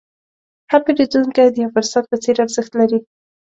هر پیرودونکی د یو فرصت په څېر ارزښت لري.